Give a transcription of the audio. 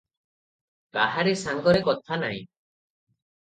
କାହାରି ସାଙ୍ଗରେ କଥା ନାହିଁ ।